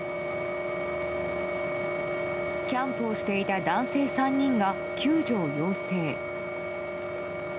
キャンプをしていた男性３人が救助を要請。